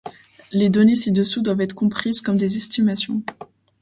Les données ci-dessous doivent être comprises comme des estimations.